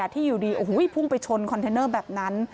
ที่อยู่ดีพุ่งไปชนคอนเทนเนอร์แบบนั้น